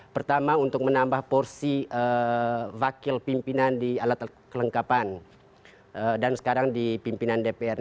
pertama untuk menambah porsi wakil pimpinan di alat kelengkapan dan sekarang di pimpinan dpr